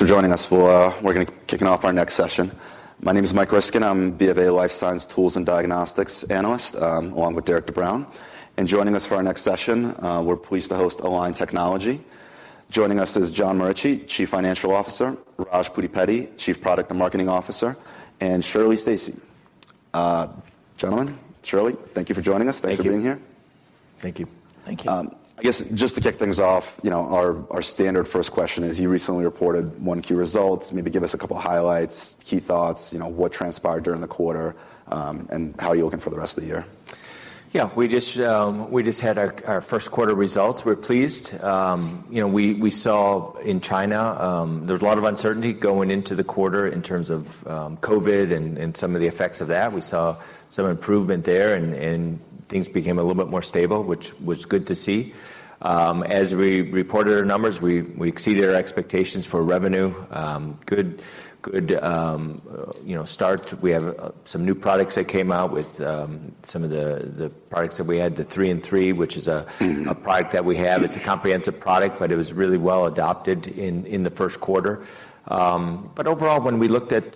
Thanks for joining us. We'll, we're gonna be kicking off our next session. My name is Mike Ryskin, I'm BofA Life Science Tools and Diagnostics analyst, along with Derek De Bruin. Joining us for our next session, we're pleased to host Align Technology. Joining us is John Morici, Chief Financial Officer, Raj Pudipeddi, Chief Product and Marketing Officer, and Shirley Stacy. Gentlemen, Shirley, thank you for joining us. Thank you. Thanks for being here. Thank you. Thank you. I guess just to kick things off, you know, our standard first question is, you recently reported 1Q results. Maybe give us a couple highlights, key thoughts, you know, what transpired during the quarter, and how you're looking for the rest of the year. We just had our Q1 results. We're pleased. You know, we saw in China, there's a lot of uncertainty going into the quarter in terms of COVID and some of the effects of that. We saw some improvement there and things became a little bit more stable, which was good to see. As we reported our numbers, we exceeded our expectations for revenue. Good, good, you know, start. We have some new products that came out with some of the products that we had, the three and three. Mm-hmm... a product that we have. It's a comprehensive product, but it was really well adopted in the Q1. Overall, when we looked at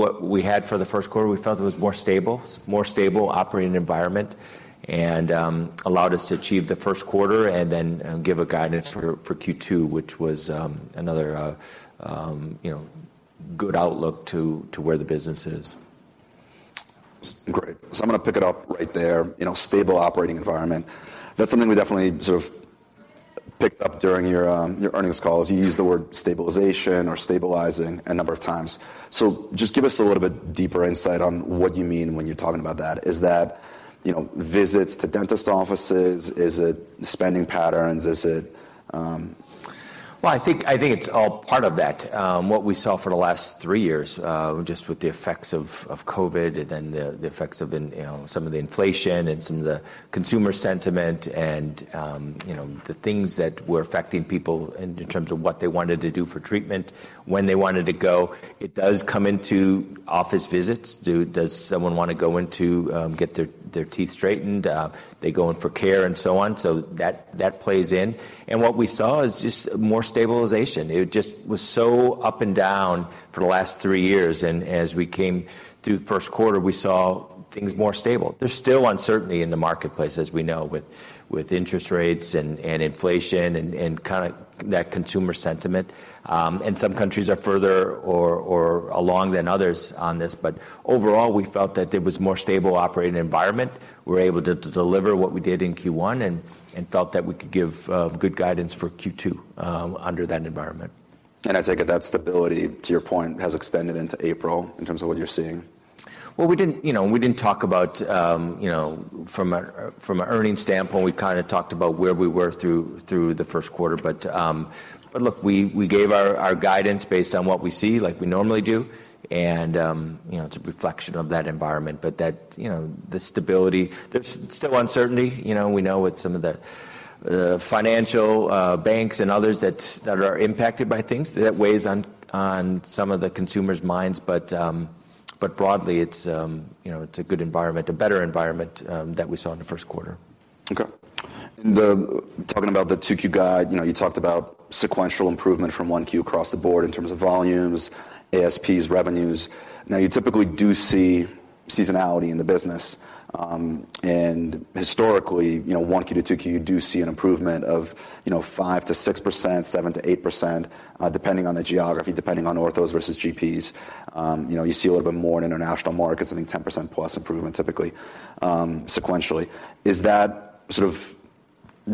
what we had for the Q1, we felt it was more stable operating environment and allowed us to achieve the Q1 and then give a guidance for Q2, which was another, you know, good outlook to where the business is. Great. I'm gonna pick it up right there. You know, stable operating environment. That's something we definitely sort of picked up during your earnings calls. You used the word stabilization or stabilizing a number of times. Just give us a little bit deeper insight on what you mean when you're talking about that. Is that, you know, visits to dentist offices? Is it spending patterns? Is it? I think it's all part of that. What we saw for the last 3 years, just with the effects of COVID and then the effects of the, you know, some of the inflation and some of the consumer sentiment and, you know, the things that were affecting people in terms of what they wanted to do for treatment, when they wanted to go. It does come into office visits. Does someone want to go in to get their teeth straightened? They go in for care and so on. That plays in. What we saw is just more stabilization. It just was so up and down for the last 3 years, and as we came through the 1st quarter, we saw things more stable. There's still uncertainty in the marketplace, as we know, with interest rates and inflation and kinda that consumer sentiment. Some countries are further or along than others on this. Overall, we felt that there was more stable operating environment. We're able to deliver what we did in Q1 and felt that we could give good guidance for Q2, under that environment. I take it that stability, to your point, has extended into April in terms of what you're seeing? Well, we didn't, you know, we didn't talk about, you know, from an earnings standpoint, we kinda talked about where we were through the Q1. Look, we gave our guidance based on what we see like we normally do and, you know, it's a reflection of that environment. That, you know, the stability, there's still uncertainty. You know, we know with some of the financial banks and others that are impacted by things, that weighs on some of the consumers' minds. Broadly, it's, you know, it's a good environment, a better environment than we saw in the Q1. Okay. Talking about the 2Q guide, you know, you talked about sequential improvement from 1Q across the board in terms of volumes, ASPs, revenues. Now you typically do see seasonality in the business, and historically, you know, 1Q to 2Q, you do see an improvement of, you know, 5%-6%, 7%-8%, depending on the geography, depending on orthos versus GPs. You know, you see a little bit more in international markets, I think 10%+ improvement typically, sequentially. Is that sort of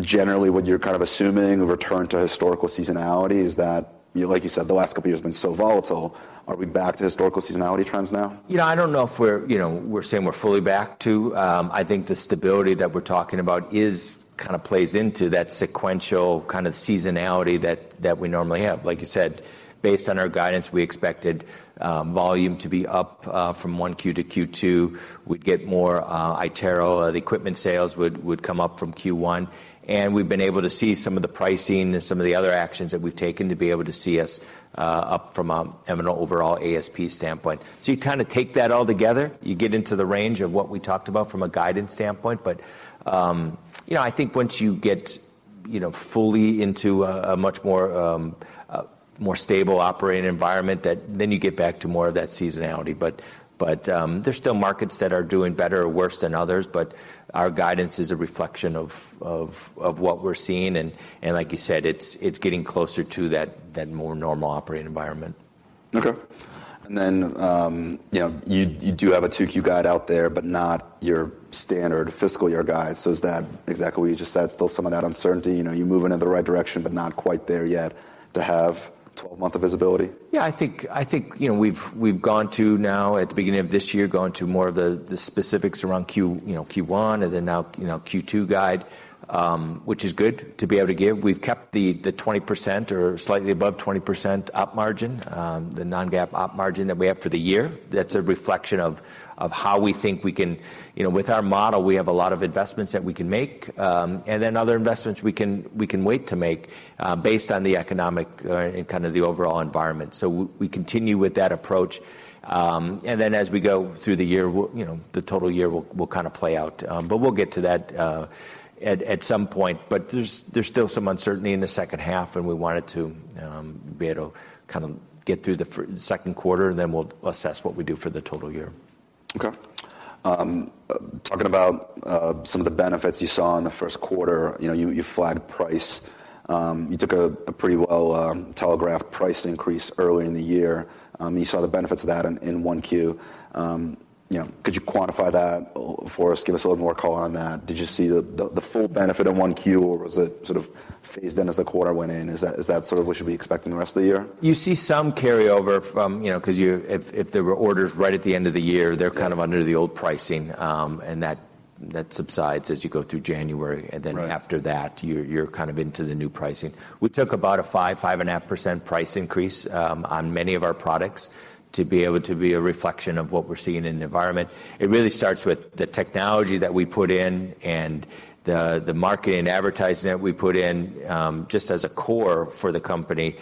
generally what you're kind of assuming, a return to historical seasonality? Like you said, the last couple years have been so volatile. Are we back to historical seasonality trends now? You know, I don't know if we're, you know, we're saying we're fully back to. I think the stability that we're talking about is kinda plays into that sequential kind of seasonality that we normally have. Like you said, based on our guidance, we expected volume to be up from 1Q to Q2. We'd get more iTero, the equipment sales would come up from Q1. We've been able to see some of the pricing and some of the other actions that we've taken to be able to see us up from having an overall ASP standpoint. You kinda take that all together, you get into the range of what we talked about from a guidance standpoint. You know, I think once you get, you know, fully into a much more, a more stable operating environment, that then you get back to more of that seasonality. There's still markets that are doing better or worse than others, but our guidance is a reflection of what we're seeing. Like you said, it's getting closer to that more normal operating environment. Okay. You know, you do have a 2Q guide out there, but not your standard fiscal year guide. Is that exactly what you just said, still some of that uncertainty? You know, you're moving in the right direction, but not quite there yet to have 12-month visibility? I think, you know, we've gone to now at the beginning of this year, gone to more of the specifics around Q, you know, Q1 and then now, you know, Q2 guide, which is good to be able to give. We've kept the 20% or slightly above 20% op margin, the non-GAAP op margin that we have for the year. That's a reflection of how we think we can, you know, with our model, we have a lot of investments that we can make, and then other investments we can wait to make, based on the economic and kind of the overall environment. We continue with that approach. As we go through the year, you know, the total year will kinda play out. We'll get to that, at some point. There's still some uncertainty in the second half. We wanted to be able to kind of get through the Q2. Then we'll assess what we do for the total year. Okay. Talking about some of the benefits you saw in the Q1, you know, you flagged price. You took a pretty well telegraphed price increase early in the year. You saw the benefits of that in 1Q. You know, could you quantify that for us? Give us a little more color on that? Did you see the full benefit in 1Q, or was it sort of phased in as the quarter went in? Is that sort of what should be expecting the rest of the year? You see some carryover from, you know, 'cause if there were orders right at the end of the year, they're- Yeah... kind of under the old pricing. That subsides as you go through January. Right. After that, you're kind of into the new pricing. We took about a 5.5% price increase on many of our products to be able to be a reflection of what we're seeing in the environment. It really starts with the technology that we put in and the marketing and advertising that we put in just as a core for the company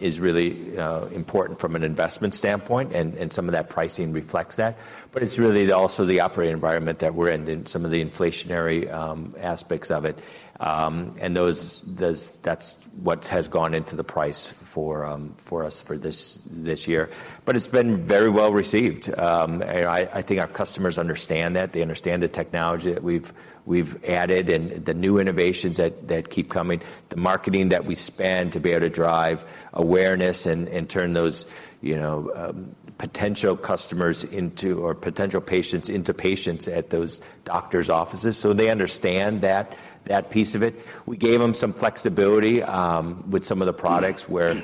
is really important from an investment standpoint. Some of that pricing reflects that. It's really also the operating environment that we're in and some of the inflationary aspects of it. That's what has gone into the price for us for this year. It's been very well received. I think our customers understand that. They understand the technology that we've added and the new innovations that keep coming, the marketing that we spend to be able to drive awareness and turn those, you know, potential customers or potential patients into patients at those doctor's offices. They understand that piece of it. We gave them some flexibility with some of the products where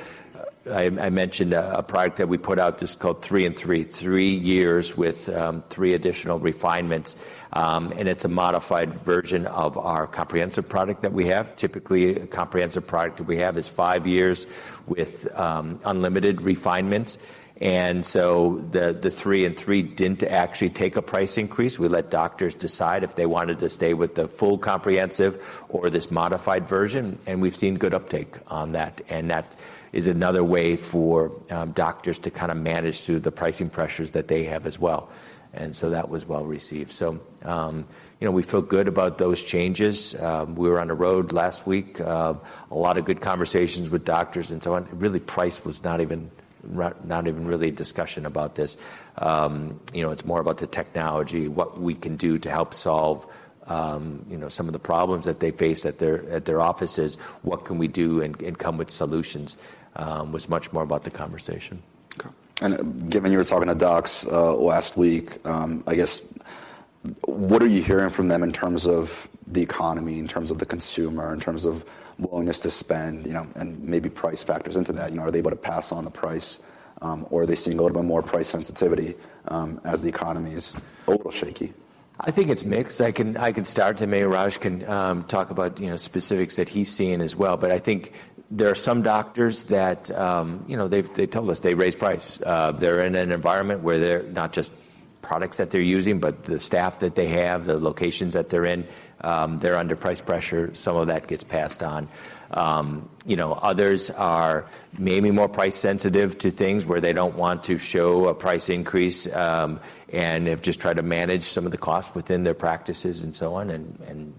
I mentioned a product that we put out just called Three and Three. 3 years with 3 additional refinements. It's a modified version of our Comprehensive product that we have. Typically, a Comprehensive product that we have is 5 years with unlimited refinements. The Three and Three didn't actually take a price increase. We let doctors decide if they wanted to stay with the full Comprehensive or this modified version. We've seen good uptake on that. That is another way for doctors to kinda manage through the pricing pressures that they have as well. That was well received. You know, we feel good about those changes. We were on the road last week. A lot of good conversations with doctors and so on. Really, price was not even really a discussion about this. You know, it's more about the technology, what we can do to help solve, you know, some of the problems that they face at their offices. What can we do and come with solutions was much more about the conversation. Okay. Given you were talking to docs last week, I guess what are you hearing from them in terms of the economy, in terms of the consumer, in terms of willingness to spend, you know, and maybe price factors into that? You know, are they able to pass on the price, or are they seeing a little bit more price sensitivity, as the economy's a little shaky? I think it's mixed. I can start, and maybe Raj can talk about, you know, specifics that he's seeing as well. I think there are some doctors that, you know, they told us they raised price. They're in an environment where they're not just products that they're using, but the staff that they have, the locations that they're in, they're under price pressure. Some of that gets passed on. You know, others are maybe more price sensitive to things where they don't want to show a price increase, and have just tried to manage some of the costs within their practices and so on.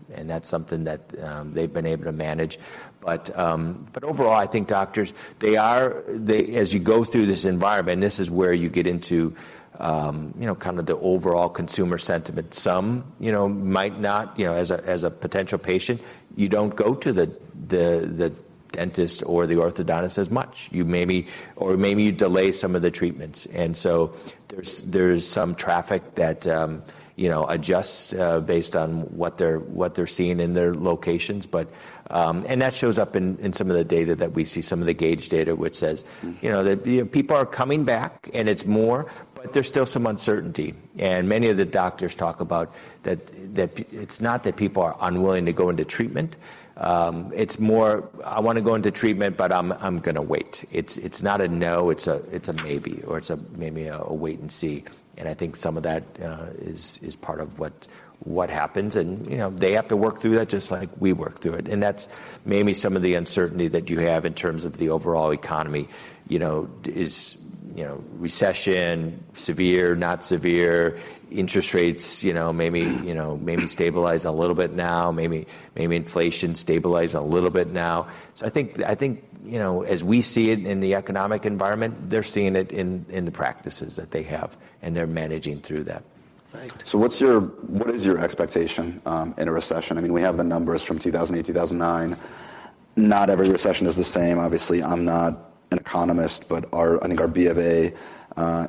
That's something that they've been able to manage. Overall, I think doctors, As you go through this environment, this is where you get into, you know, kind of the overall consumer sentiment. Some, you know, might not, you know, as a, as a potential patient, you don't go to the dentist or the orthodontist as much. Or maybe you delay some of the treatments. So there's some traffic that, you know, adjusts based on what they're seeing in their locations. That shows up in some of the data that we see, some of the gauge data which says- Mm-hmm... you know, that, you know, people are coming back and it's more, but there's still some uncertainty. Many of the doctors talk about that, it's not that people are unwilling to go into treatment, it's more, "I wanna go into treatment, but I'm gonna wait." It's not a no, it's a maybe, or it's a maybe a wait and see. I think some of that is part of what happens. You know, they have to work through that just like we work through it. That's maybe some of the uncertainty that you have in terms of the overall economy. You know, is, you know, recession severe, not severe? Interest rates, you know, maybe stabilize a little bit now, maybe inflation stabilize a little bit now. I think, you know, as we see it in the economic environment, they're seeing it in the practices that they have, and they're managing through that. Right. What is your expectation in a recession? I mean, we have the numbers from 2008, 2009. Not every recession is the same. Obviously, I'm not an economist, but I think our BofA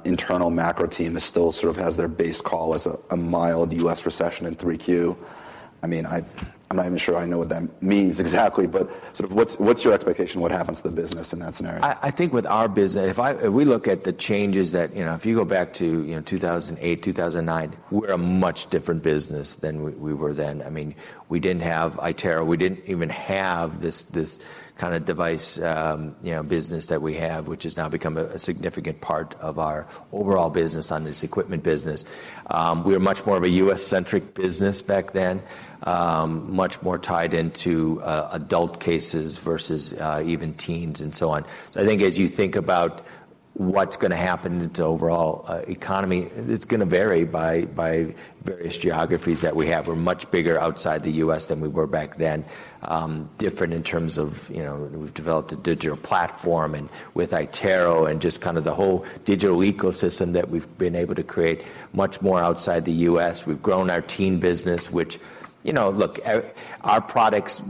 internal macro team is still sort of has their base call as a mild U.S. recession in 3Q. I mean, I'm not even sure I know what that means exactly. Sort of what's your expectation? What happens to the business in that scenario? I think with our business, if we look at the changes that, you know, if you go back to, you know, 2008, 2009, we're a much different business than we were then. I mean, we didn't have iTero. We didn't even have this kinda device, you know, business that we have, which has now become a significant part of our overall business on this equipment business. We were much more of a U.S.-centric business back then, much more tied into adult cases versus even teens and so on. I think as you think about what's gonna happen to overall economy, it's gonna vary by various geographies that we have. We're much bigger outside the U.S. than we were back then. Different in terms of, you know, we've developed a digital platform and with iTero and just kind of the whole digital ecosystem that we've been able to create much more outside the U.S. We've grown our teen business, which, you know, look, our products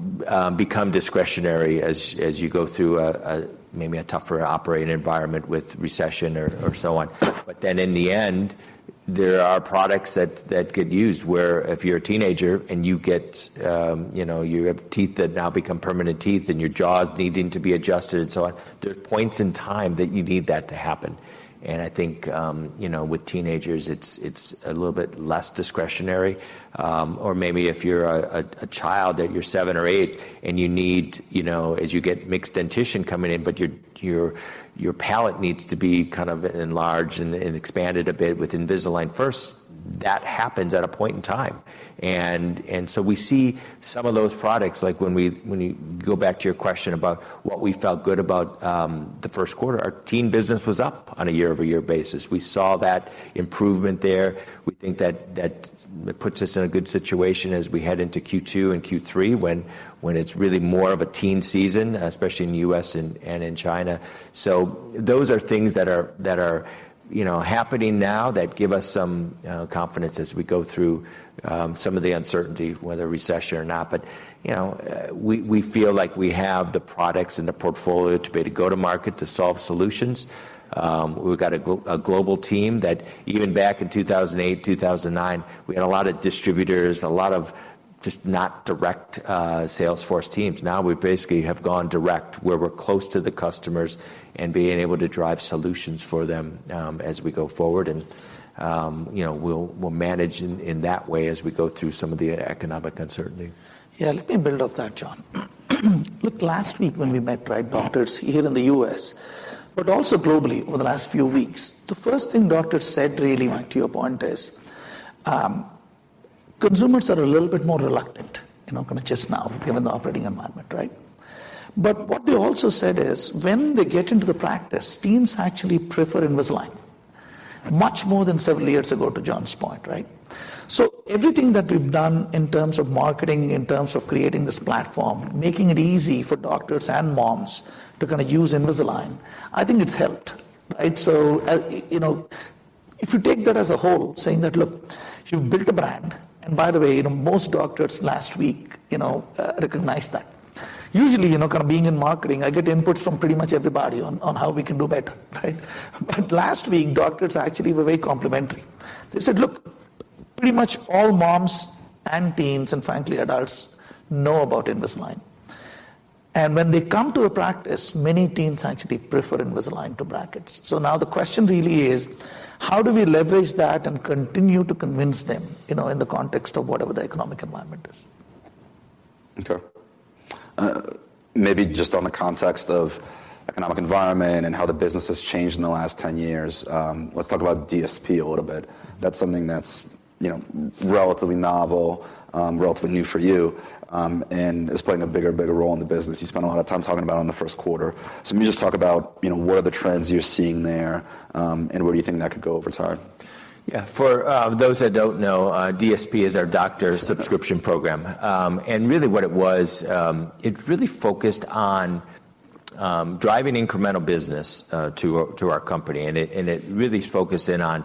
become discretionary as you go through a maybe a tougher operating environment with recession or so on. In the end, there are products that get used, where if you're a teenager and you get, you know, you have teeth that now become permanent teeth and your jaw is needing to be adjusted and so on, there's points in time that you need that to happen. I think, you know, with teenagers, it's a little bit less discretionary. Or maybe if you're a child that you're seven or eight and you need, you know, as you get mixed dentition coming in, but your palate needs to be kind of enlarged and expanded a bit with Invisalign First, that happens at a point in time. We see some of those products, like when you go back to your question about what we felt good about the Q1. Our teen business was up on a year-over-year basis. We saw that improvement there. We think that puts us in a good situation as we head into Q2 and Q3 when it's really more of a teen season, especially in the U.S. and in China. Those are things that are, you know, happening now that give us some confidence as we go through some of the uncertainty whether recession or not. You know, we feel like we have the products and the portfolio to go to market to solve solutions. We've got a global team that even back in 2008, 2009, we had a lot of distributors and a lot of just not direct sales force teams. We basically have gone direct where we're close to the customers and being able to drive solutions for them as we go forward. You know, we'll manage in that way as we go through some of the economic uncertainty. Yeah. Let me build off that, John. Look, last week when we met right, doctors here in the U.S., but also globally over the last few weeks, the first thing doctors said really, Mike, to your point is, consumers are a little bit more reluctant, you know, kinda just now given the operating environment, right? What they also said is when they get into the practice, teens actually prefer Invisalign much more than several years ago to John's point, right? Everything that we've done in terms of marketing, in terms of creating this platform, making it easy for doctors and moms to kinda use Invisalign, I think it's helped, right? You know, if you take that as a whole saying that, look, you've built a brand, and by the way, you know, most doctors last week, you know, recognized that. Usually, you know, kind of being in marketing, I get inputs from pretty much everybody on how we can do better, right? Last week, doctors actually were very complimentary. They said, "Look, pretty much all moms and teens, and frankly adults know about Invisalign." When they come to a practice, many teens actually prefer Invisalign to brackets. Now the question really is: How do we leverage that and continue to convince them, you know, in the context of whatever the economic environment is? Okay. Maybe just on the context of economic environment and how the business has changed in the last 10 years, let's talk about DSP a little bit. That's something that's, you know, relatively novel, relatively new for you, and is playing a bigger and bigger role in the business. You spent a lot of time talking about it in the Q1. Maybe just talk about, you know, what are the trends you're seeing there, and where do you think that could go over time? Yeah. For those that don't know, DSP is our Doctor Subscription Program. Really what it was, it really focused on driving incremental business to our company. It really is focused in on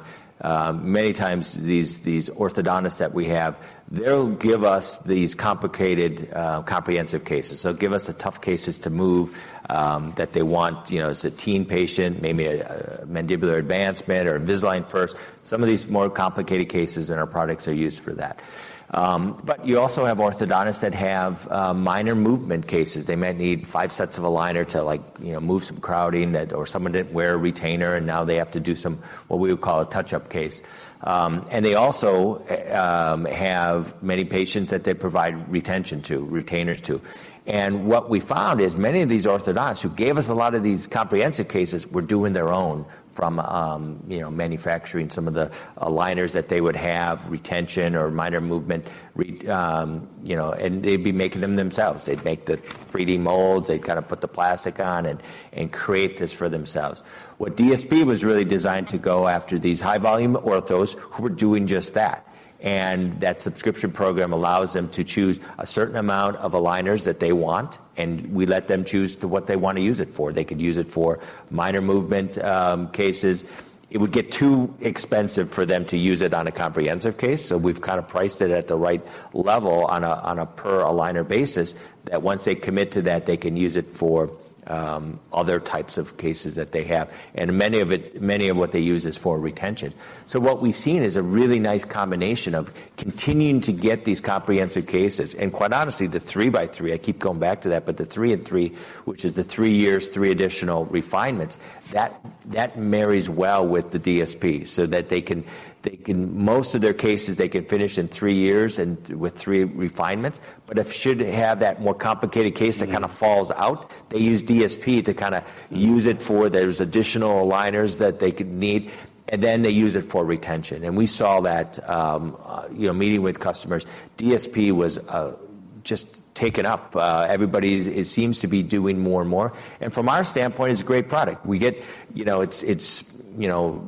many times these orthodontists that we have, they'll give us these complicated comprehensive cases. They'll give us the tough cases to move that they want. You know, it's a teen patient, maybe a mandibular advancement or Invisalign First. Some of these more complicated cases and our products are used for that. You also have orthodontists that have minor movement cases. They might need five sets of aligner to like, you know, move some crowding that. Someone didn't wear a retainer and now they have to do some, what we would call a touch-up case. They also have many patients that they provide retention to, retainers to. What we found is many of these orthodontists who gave us a lot of these comprehensive cases were doing their own from, you know, manufacturing some of the aligners that they would have, retention or minor movement, you know, and they'd be making them themselves. They'd make the 3D molds. They'd kind of put the plastic on and create this for themselves. What DSP was really designed to go after these high volume orthos who were doing just that. That subscription program allows them to choose a certain amount of aligners that they want, and we let them choose to what they want to use it for. They could use it for minor movement cases. It would get too expensive for them to use it on a comprehensive case. We've kind of priced it at the right level on a, on a per aligner basis that once they commit to that, they can use it for other types of cases that they have. Many of what they use is for retention. What we've seen is a really nice combination of continuing to get these comprehensive cases. Quite honestly, the 3 by 3, I keep going back to that. The 3 and 3 which is the 3 years, 3 additional refinements, that marries well with the DSP so that they can... Most of their cases, they can finish in 3 years and with 3 refinements. If should have that more complicated case that kind of falls out, they use DSP to kinda use it for those additional aligners that they could need, and then they use it for retention. We saw that, you know, meeting with customers. DSP was just taken up. Everybody seems to be doing more and more. From our standpoint, it's a great product. We get, you know, it's, you know,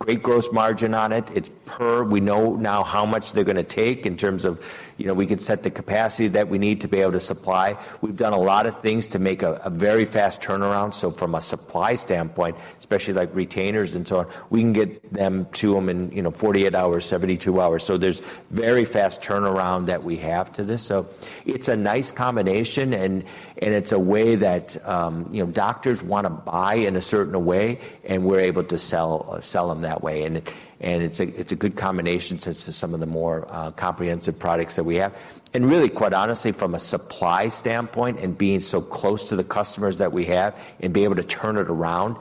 great gross margin on it. It's per. We know now how much they're gonna take in terms of, you know, we can set the capacity that we need to be able to supply. We've done a lot of things to make a very fast turnaround. From a supply standpoint, especially like retainers and so on, we can get them to them in, you know, 48 hours, 72 hours. There's very fast turnaround that we have to this. It's a nice combination and it's a way that, you know, doctors wanna buy in a certain way, and we're able to sell them that way. It's a good combination to some of the more, comprehensive products that we have. Really, quite honestly, from a supply standpoint and being so close to the customers that we have and being able to turn it around,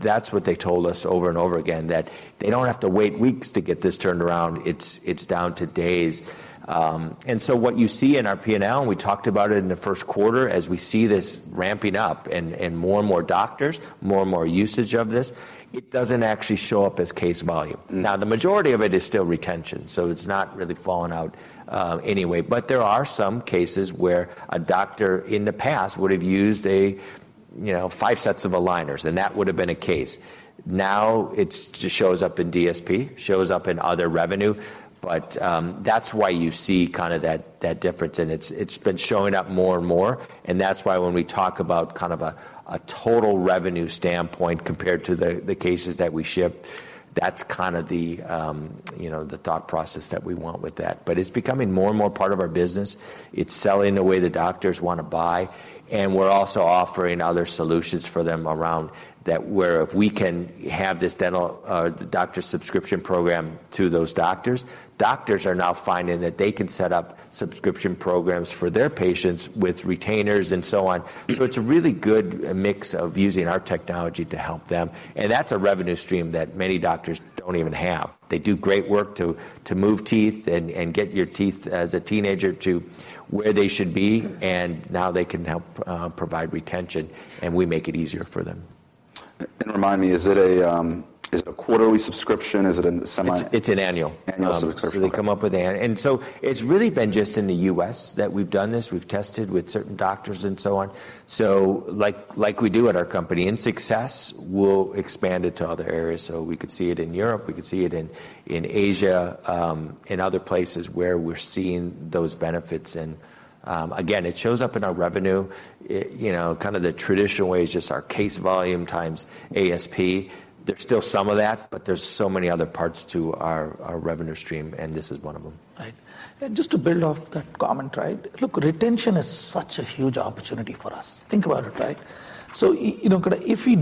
that's what they told us over and over again, that they don't have to wait weeks to get this turned around. It's down to days. What you see in our P&L, and we talked about it in the Q1, as we see this ramping up and more and more doctors, more and more usage of this, it doesn't actually show up as case volume. The majority of it is still retention, so it's not really fallen out anyway. There are some cases where a doctor in the past would have used a, you know, five sets of aligners, and that would have been a case. It's just shows up in DSP, shows up in other revenue. That's why you see kinda that difference. It's been showing up more and more. That's why when we talk about kind of a total revenue standpoint compared to the cases that we ship, that's kinda the, you know, the thought process that we want with that. It's becoming more and more part of our business. It's selling the way the doctors wanna buy, and we're also offering other solutions for them around that where if we can have this dental Doctor Subscription Program to those doctors are now finding that they can set up subscription programs for their patients with retainers and so on. It's a really good mix of using our technology to help them. That's a revenue stream that many doctors don't even have. They do great work to move teeth and get your teeth as a teenager to where they should be, and now they can help provide retention, and we make it easier for them. Remind me, is it a quarterly subscription? Is it a semi- It's an annual. Annual subscription. They come up with an. It's really been just in the U.S. that we've done this. We've tested with certain doctors and so on. Like we do at our company, in success, we'll expand it to other areas. We could see it in Europe, we could see it in Asia, in other places where we're seeing those benefits. Again, it shows up in our revenue. It, you know, kind of the traditional way is just our case volume times ASP. There's still some of that, but there's so many other parts to our revenue stream, and this is one of them. Right. Just to build off that comment, right? Look, retention is such a huge opportunity for us. Think about it, right? You know, kinda if we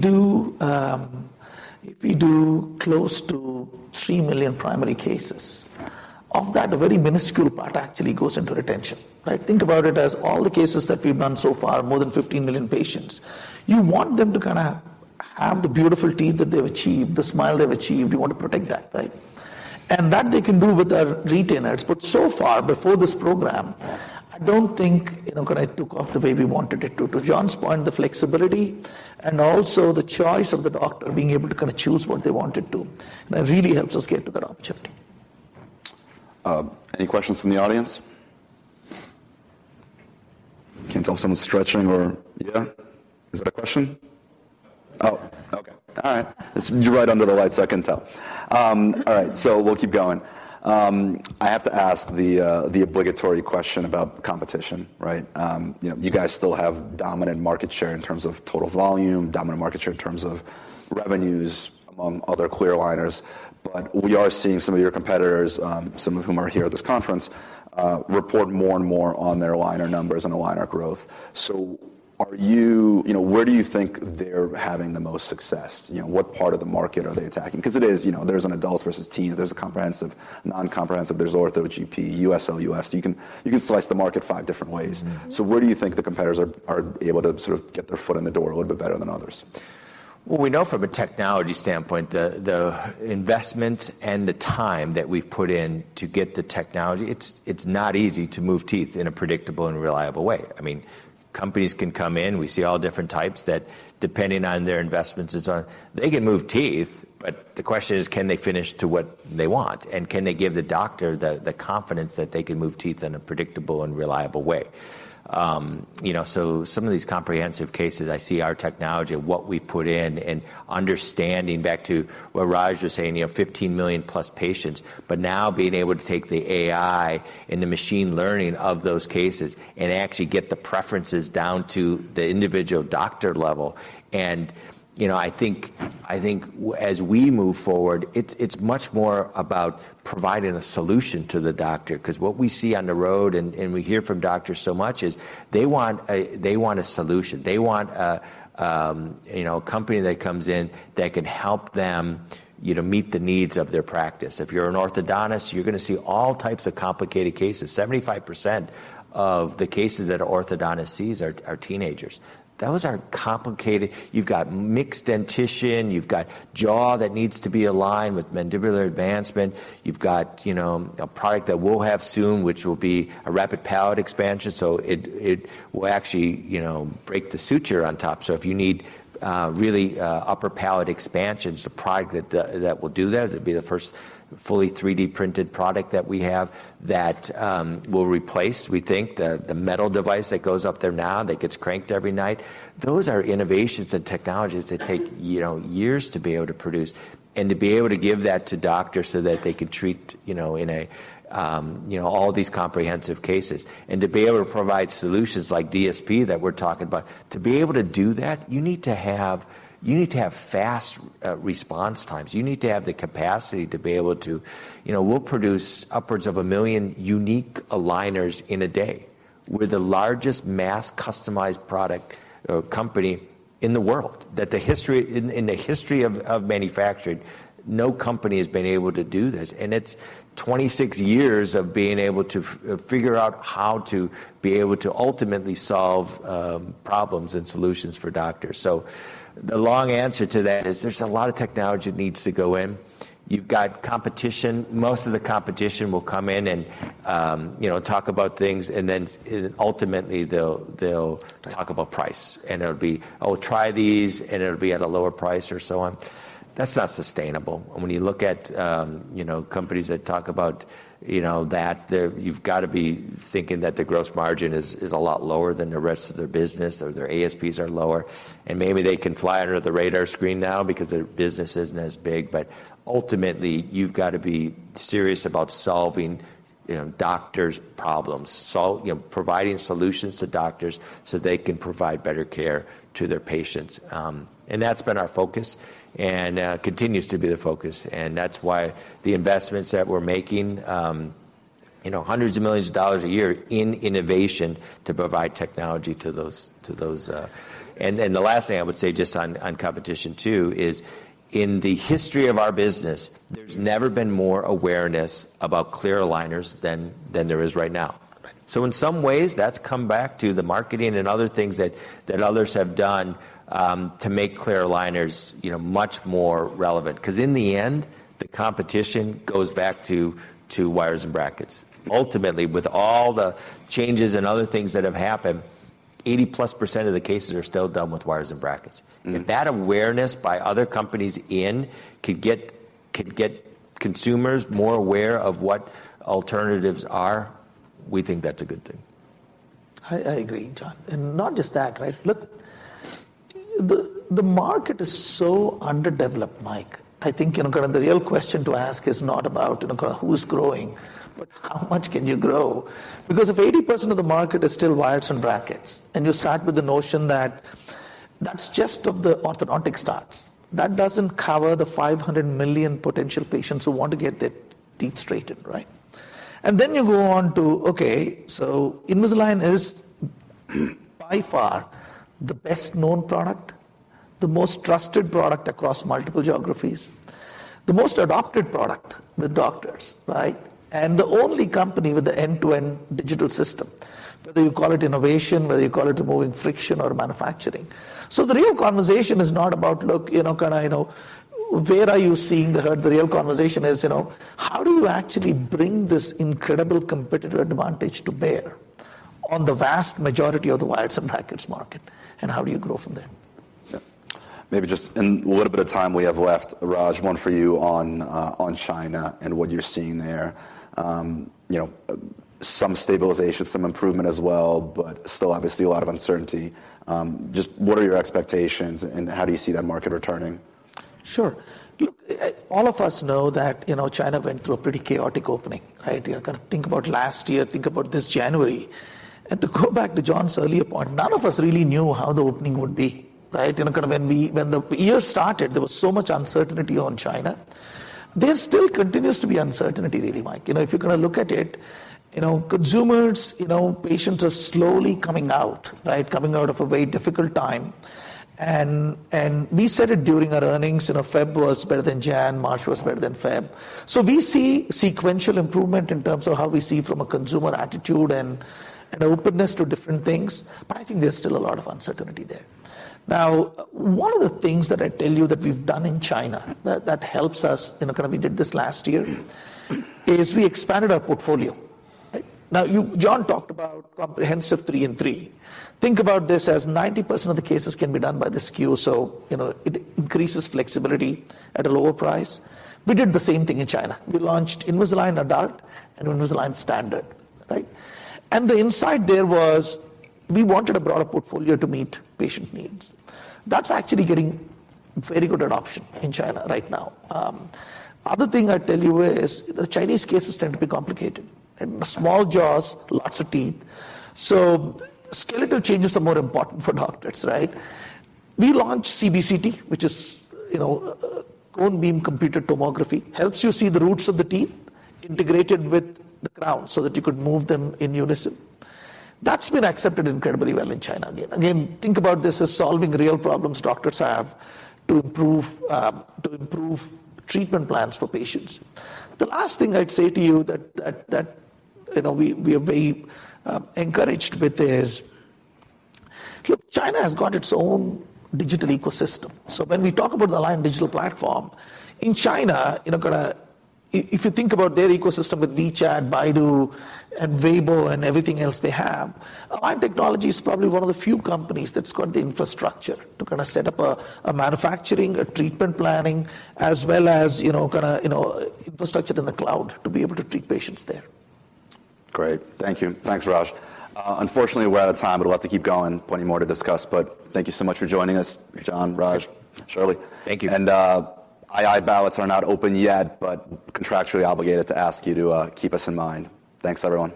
do close to 3 million primary cases, of that, a very minuscule part actually goes into retention, right? Think about it as all the cases that we've done so far, more than 15 million patients. You want them to kinda have the beautiful teeth that they've achieved, the smile they've achieved. You want to protect that, right? That they can do with our retainers. So far, before this program- Yeah... I don't think, you know, kinda took off the way we wanted it to. To John's point, the flexibility and also the choice of the doctor being able to kinda choose what they want to do. That really helps us get to that opportunity. Any questions from the audience? Can tell someone's stretching or... Yeah. Is that a question? Oh, okay. All right. You're right under the lights, so I can tell. All right, so we'll keep going. I have to ask the obligatory question about competition, right? You know, you guys still have dominant market share in terms of total volume, dominant market share in terms of revenues among other clear aligners. We are seeing some of your competitors, some of whom are here at this conference, report more and more on their aligner numbers and aligner growth. Where do you think they're having the most success? You know, what part of the market are they attacking? 'Cause it is, you know, there's an adults versus teens, there's a comprehensive, non-comprehensive, there's ortho, GP, US, OUS. You can slice the market five different ways. Mm-hmm. Where do you think the competitors are able to sort of get their foot in the door a little bit better than others? Well, we know from a technology standpoint, the investment and the time that we've put in to get the technology, it's not easy to move teeth in a predictable and reliable way. I mean, companies can come in. We see all different types that depending on their investments and so on, they can move teeth. The question is, can they finish to what they want? Can they give the doctor the confidence that they can move teeth in a predictable and reliable way? you know, some of these comprehensive cases, I see our technology and what we've put in and understanding back to what Raj was saying, you know, 15 million plus patients, but now being able to take the AI and the machine learning of those cases and actually get the preferences down to the individual doctor level. You know, I think, as we move forward, it's much more about providing a solution to the doctor. Cause what we see on the road and we hear from doctors so much is they want a solution. They want a, you know, a company that comes in that can help them, you know, meet the needs of their practice. If you're an orthodontist, you're gonna see all types of complicated cases. 75% of the cases that an orthodontist sees are teenagers. Those are complicated. You've got mixed dentition, you've got jaw that needs to be aligned with mandibular advancement. You've got, you know, a product that we'll have soon, which will be a rapid palatal expansion. It will actually, you know, break the suture on top. If you need, really, upper palatal expansion, it's a product that will do that. It'll be the first fully 3D-printed product that we have that will replace, we think, the metal device that goes up there now that gets cranked every night. Those are innovations and technologies that take, you know, years to be able to produce. To be able to give that to doctors so that they could treat, you know, in a, you know, all these comprehensive cases, and to be able to provide solutions like DSP that we're talking about. To be able to do that, you need to have fast response times. You need to have the capacity to be able to. You know, we'll produce upwards of 1 million unique aligners in a day. We're the largest mass customized product, company in the world. In the history of manufacturing, no company has been able to do this. It's 26 years of being able to figure out how to be able to ultimately solve problems and solutions for doctors. The long answer to that is there's a lot of technology that needs to go in. You've got competition. Most of the competition will come in and, you know, talk about things, and then ultimately they'll talk about price. It'll be, "Oh, try these," and it'll be at a lower price or so on. That's not sustainable. When you look at, you know, companies that talk about, you know, you've gotta be thinking that the gross margin is a lot lower than the rest of their business or their ASPs are lower. Maybe they can fly under the radar screen now because their business isn't as big. Ultimately, you've gotta be serious about solving, you know, doctors' problems. You know, providing solutions to doctors so they can provide better care to their patients. That's been our focus and continues to be the focus. That's why the investments that we're making, you know, hundreds of millions of dollars a year in innovation to provide technology to those, to those... The last thing I would say just on competition too is in the history of our business, there's never been more awareness about clear aligners than there is right now. Right. In some ways, that's come back to the marketing and other things that others have done, to make clear aligners, you know, much more relevant. Because in the end, the competition goes back to wires and brackets. Ultimately, with all the changes and other things that have happened, 80%+ of the cases are still done with wires and brackets. If that awareness by other companies in could get consumers more aware of what alternatives are, we think that's a good thing. I agree, John. Not just that, right? Look, the market is so underdeveloped, Mike. I think, you know, the real question to ask is not about, you know, who's growing, but how much can you grow? Because if 80% of the market is still wires and brackets, and you start with the notion that that's just of the orthodontic starts, that doesn't cover the $500 million potential patients who want to get their teeth straightened, right? Then you go on to, okay, so Invisalign is by far the best-known product, the most trusted product across multiple geographies, the most adopted product with doctors, right? The only company with the end-to-end digital system, whether you call it innovation, whether you call it removing friction or manufacturing. The real conversation is not about, look, you know, kind of, you know, where are you seeing the herd? The real conversation is, you know, how do you actually bring this incredible competitive advantage to bear on the vast majority of the wires and brackets market, and how do you grow from there? Yeah. Maybe just in what little bit of time we have left, Raj, one for you on China and what you're seeing there. You know, some stabilization, some improvement as well, but still obviously a lot of uncertainty. Just what are your expectations and how do you see that market returning? Sure. Look, all of us know that, you know, China went through a pretty chaotic opening, right? You know, kind of think about last year, think about this January. To go back to John's earlier point, none of us really knew how the opening would be, right? You know, kind of when the year started, there was so much uncertainty on China. There still continues to be uncertainty really, Mike. You know, if you kinda look at it, you know, consumers, you know, patients are slowly coming out, right? Coming out of a very difficult time. We said it during our earnings, you know, Feb was better than Jan, March was better than Feb. We see sequential improvement in terms of how we see from a consumer attitude and an openness to different things, but I think there's still a lot of uncertainty there. One of the things that I tell you that we've done in China that helps us, you know, we did this last year, is we expanded our portfolio. John talked about Comprehensive three and three. Think about this as 90% of the cases can be done by the SKU, so, you know, it increases flexibility at a lower price. We did the same thing in China. We launched Invisalign Adult and Invisalign Standard, right? The insight there was we wanted a broader portfolio to meet patient needs. That's actually getting very good adoption in China right now. Other thing I tell you is the Chinese cases tend to be complicated. Small jaws, lots of teeth. Skeletal changes are more important for doctors, right? We launched CBCT, which is, you know, cone beam computed tomography, helps you see the roots of the teeth integrated with the crown so that you could move them in unison. That's been accepted incredibly well in China. Again, think about this as solving real problems doctors have to improve to improve treatment plans for patients. The last thing I'd say to you that, you know, we are very encouraged with is, look, China has got its own digital ecosystem. When we talk about the Align Digital Platform, in China, you know, if you think about their ecosystem with WeChat, Baidu, and Weibo, and everything else they have, Align Technology is probably one of the few companies that's got the infrastructure to kinda set up a manufacturing, a treatment planning, as well as, you know, kinda, infrastructure in the cloud to be able to treat patients there. Great. Thank you. Thanks, Raj. Unfortunately, we're out of time, but we'll have to keep going. Plenty more to discuss, but thank you so much for joining us, John, Raj, Shirley. Thank you. II ballots are not open yet, but contractually obligated to ask you to keep us in mind. Thanks, everyone.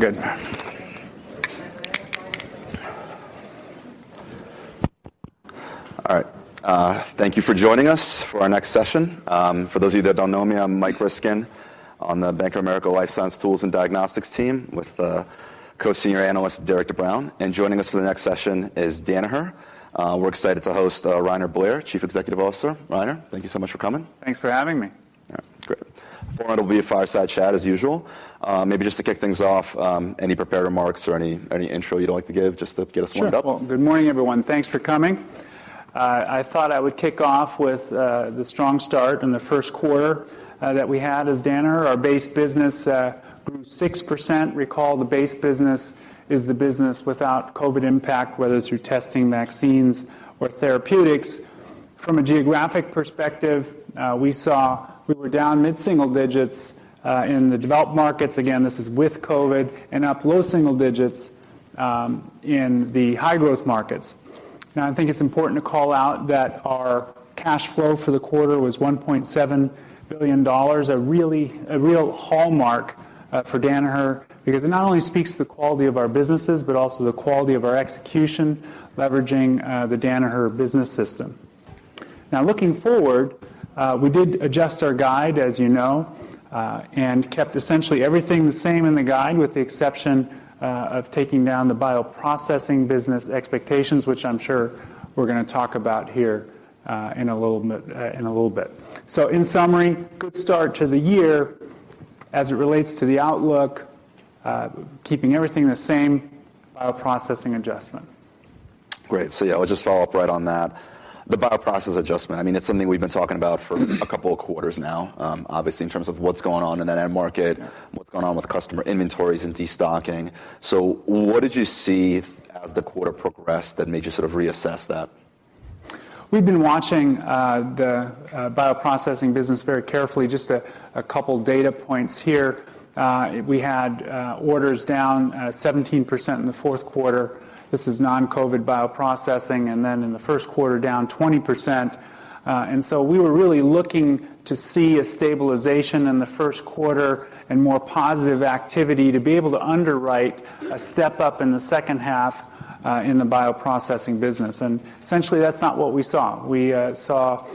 We're good. Thank you for joining us for our next session. For those of you that don't know me, I'm Mike Ryskin on the Bank of America Life Science Tools and Diagnostics team with Co-Senior Analyst Derek Tabrown. Joining us for the next session is Danaher. We're excited to host Rainer Blair, Chief Executive Officer. Rainer, thank you so much for coming. Thanks for having me. Yeah, great. The format will be a fireside chat as usual. Maybe just to kick things off, any prepared remarks or any intro you'd like to give just to get us warmed up? Sure. Well, good morning, everyone. Thanks for coming. I thought I would kick off with the strong start in the Q1 that we had as Danaher. Our base business grew 6%. Recall the base business is the business without COVID impact, whether through testing, vaccines, or therapeutics. From a geographic perspective, we saw we were down mid-single digits in the developed markets, again, this is with COVID, and up low single digits in the high-growth markets. I think it's important to call out that our cash flow for the quarter was $1.7 billion, a real hallmark for Danaher because it not only speaks to the quality of our businesses, but also the quality of our execution, leveraging the Danaher Business System. Looking forward, we did adjust our guide, as you know, and kept essentially everything the same in the guide, with the exception of taking down the bioprocessing business expectations, which I'm sure we're gonna talk about here in a little bit. In summary, good start to the year as it relates to the outlook, keeping everything the same, bioprocessing adjustment. Great. Yeah, I'll just follow up right on that. The bioprocess adjustment, I mean, it's something we've been talking about for a couple of quarters now, obviously in terms of what's going on in that end market, what's going on with customer inventories and destocking. What did you see as the quarter progressed that made you sort of reassess that? We've been watching the bioprocessing business very carefully. Just a couple data points here. We had orders down 17% in the Q4. This is non-COVID bioprocessing, and then in the Q1 down 20%. So we were really looking to see a stabilization in the Q1 and more positive activity to be able to underwrite a step-up in the second half in the bioprocessing business. Essentially, that's not what we saw. We saw,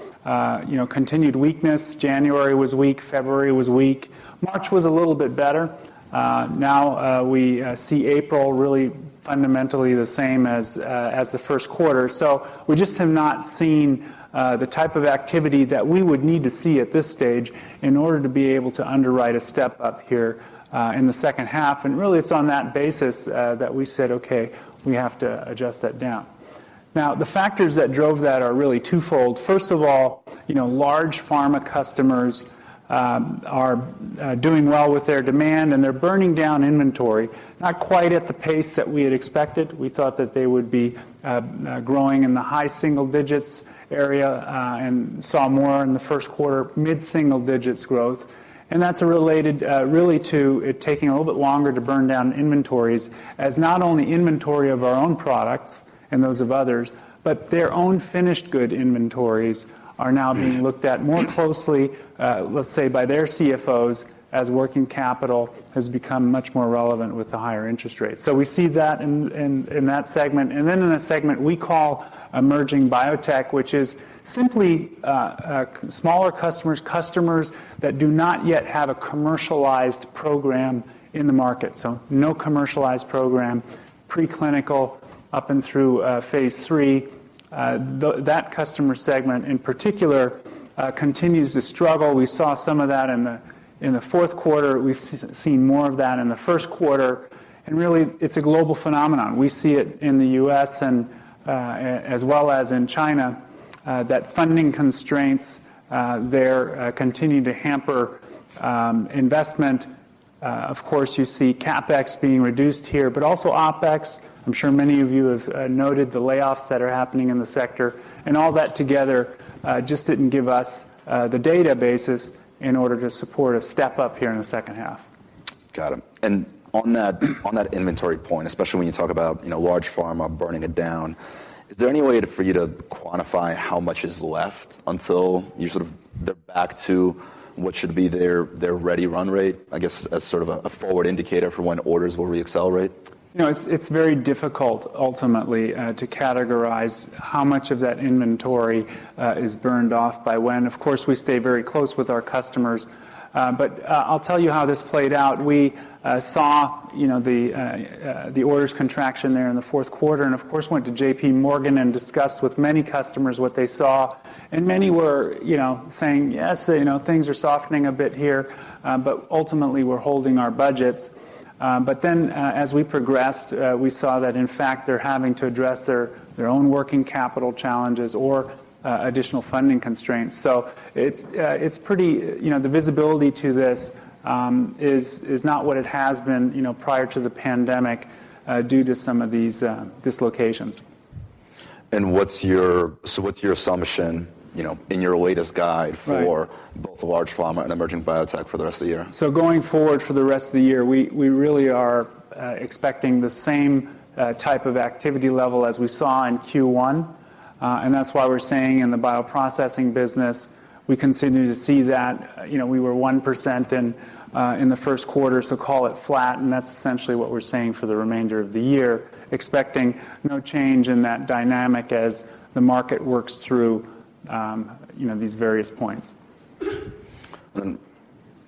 you know, continued weakness. January was weak. February was weak. March was a little bit better. We see April really fundamentally the same as the Q1. We just have not seen the type of activity that we would need to see at this stage in order to be able to underwrite a step-up here in the second half. Really, it's on that basis that we said, "Okay, we have to adjust that down." The factors that drove that are really twofold. First of all, you know, large pharma customers are doing well with their demand, and they're burning down inventory, not quite at the pace that we had expected. We thought that they would be growing in the high single digits area and saw more in the Q1, mid-single digits growth. That's related, really to it taking a little bit longer to burn down inventories as not only inventory of our own products and those of others, but their own finished good inventories are now being looked at more closely, let's say, by their CFOs as working capital has become much more relevant with the higher interest rates. We see that in, in that segment. Then in a segment we call emerging biotech, which is simply, smaller customers that do not yet have a commercialized program in the market. No commercialized program, preclinical up and through, phase III. That customer segment in particular, continues to struggle. We saw some of that in the, in the Q4. We've seen more of that in the Q1. Really, it's a global phenomenon. We see it in the U.S. and as well as in China that funding constraints there continue to hamper investment. Of course, you see CapEx being reduced here, but also OpEx. I'm sure many of you have noted the layoffs that are happening in the sector. All that together just didn't give us the databases in order to support a step-up here in the second half. Got it. On that inventory point, especially when you talk about, you know, large pharma burning it down, is there any way for you to quantify how much is left until they're back to what should be their ready run rate, I guess as sort of a forward indicator for when orders will re-accelerate? You know, it's very difficult ultimately to categorize how much of that inventory is burned off by when. Of course, we stay very close with our customers. I'll tell you how this played out. We saw, you know, the orders contraction there in the Q4 and, of course, went to J.P. Morgan and discussed with many customers what they saw. Many were, you know, saying, "Yes, you know, things are softening a bit here, but ultimately we're holding our budgets." As we progressed, we saw that in fact they're having to address their own working capital challenges or additional funding constraints. It's pretty. You know, the visibility to this, is not what it has been, you know, prior to the pandemic, due to some of these dislocations. What's your assumption, you know, in your latest guide-? Right... for both the large pharma and emerging biotech for the rest of the year? Going forward for the rest of the year, we really are expecting the same type of activity level as we saw in Q1. That's why we're saying in the bioprocessing business, we continue to see that, you know, we were 1% in the Q1, so call it flat, and that's essentially what we're saying for the remainder of the year, expecting no change in that dynamic as the market works through, you know, these various points.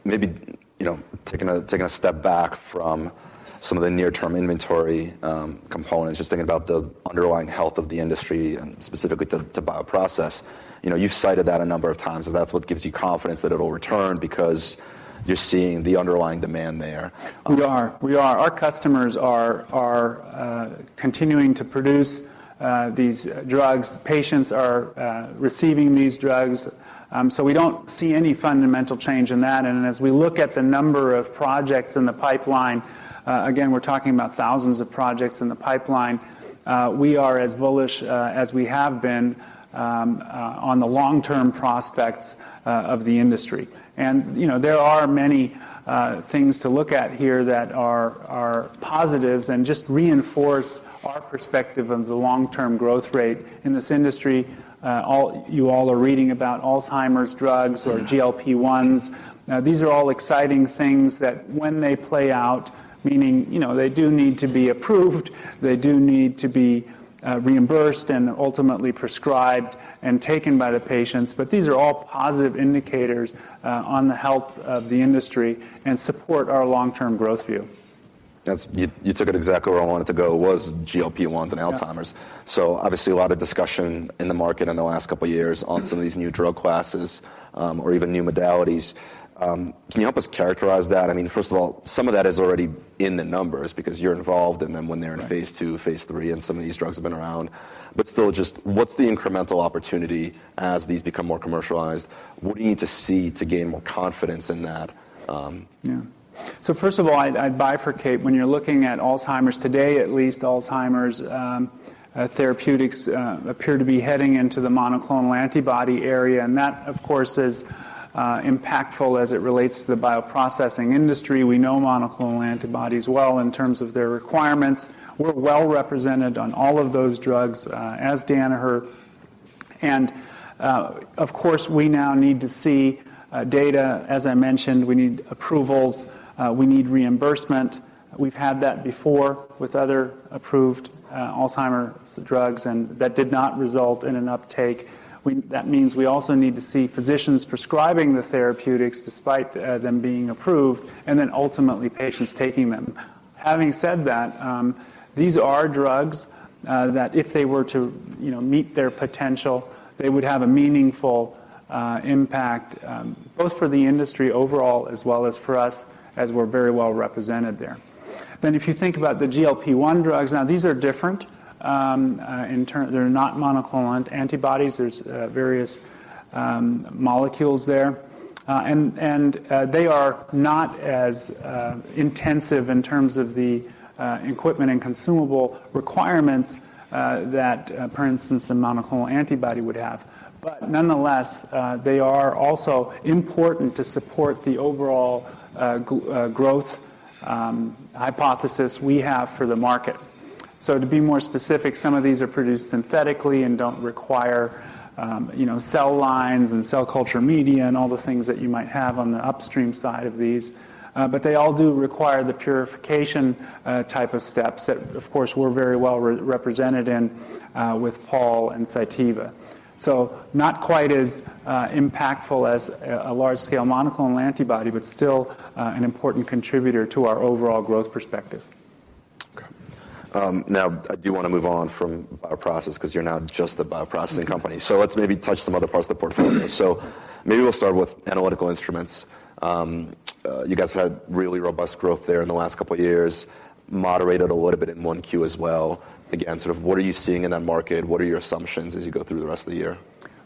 Maybe, you know, taking a step back from some of the near-term inventory, components, just thinking about the underlying health of the industry and specifically to bioprocess. You know, you've cited that a number of times. That's what gives you confidence that it'll return because you're seeing the underlying demand there. We are. We are. Our customers are continuing to produce these drugs. Patients are receiving these drugs. We don't see any fundamental change in that. As we look at the number of projects in the pipeline, again, we're talking about thousands of projects in the pipeline, we are as bullish as we have been on the long-term prospects of the industry. You know, there are many things to look at here that are positives and just reinforce our perspective of the long-term growth rate in this industry. You all are reading about Alzheimer's drugs or GLP-1s. These are all exciting things that when they play out, meaning, you know, they do need to be approved, they do need to be reimbursed and ultimately prescribed and taken by the patients, but these are all positive indicators on the health of the industry and support our long-term growth view. You took it exactly where I wanted to go, was GLP-1s and Alzheimer's. Yeah. Obviously, a lot of discussion in the market in the last couple of years on some of these new drug classes, or even new modalities. Can you help us characterize that? I mean, first of all, some of that is already in the numbers because you're involved in them when they're in-. Right... phase two, phase three, and some of these drugs have been around. Still, just what's the incremental opportunity as these become more commercialized? What do you need to see to gain more confidence in that? Yeah. First of all, I'd bifurcate when you're looking at Alzheimer's. Today, at least Alzheimer's therapeutics appear to be heading into the monoclonal antibody area, and that, of course, is impactful as it relates to the bioprocessing industry. We know monoclonal antibodies well in terms of their requirements. We're well-represented on all of those drugs as Danaher. Of course, we now need to see data. As I mentioned, we need approvals. We need reimbursement. We've had that before with other approved Alzheimer's drugs, and that did not result in an uptake. That means we also need to see physicians prescribing the therapeutics despite them being approved, and then ultimately patients taking them. Having said that, these are drugs that if they were to, you know, meet their potential, they would have a meaningful impact, both for the industry overall as well as for us, as we're very well represented there. If you think about the GLP-1 drugs, now these are different. They're not monoclonal antibodies. There's various molecules there. And they are not as intensive in terms of the equipment and consumable requirements that, for instance, a monoclonal antibody would have. Nonetheless, they are also important to support the overall growth hypothesis we have for the market. To be more specific, some of these are produced synthetically and don't require, you know, cell lines and cell culture media, and all the things that you might have on the upstream side of these. They all do require the purification type of steps that, of course, we're very well re-represented in with Pall and Cytiva. Not quite as impactful as a large-scale monoclonal antibody, but still an important contributor to our overall growth perspective. Okay. now I do wanna move on from bioprocess 'cause you're not just a bioprocessing company. Let's maybe touch some other parts of the portfolio. Maybe we'll start with analytical instruments. You guys have had really robust growth there in the last couple of years, moderated a little bit in 1 Q as well. Again, sort of what are you seeing in that market? What are your assumptions as you go through the rest of the year?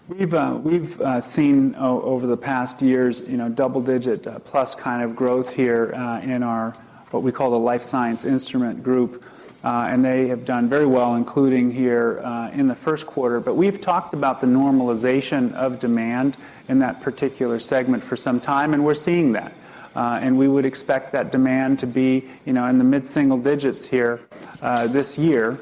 We've seen over the past years, you know, double-digit plus kind of growth here in our what we call the Life Science instrument group. They have done very well, including here in theQ1. We've talked about the normalization of demand in that particular segment for some time, and we're seeing that. We would expect that demand to be, you know, in the mid-single digits here this year,